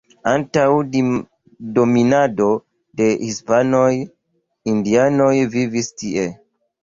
Antaŭ dominado de hispanoj indianoj vivis tie.